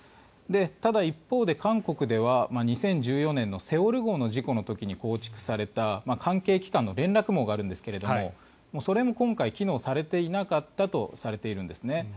ただ、一方で韓国では２０１４年の「セウォル号」の事件の時に構築された関係機関の連絡網があるんですがそれも今回機能されていなかったとされているんです。